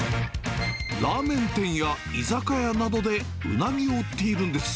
ラーメン店や居酒屋などでうなぎを売っているんです。